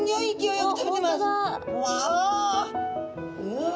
うわ。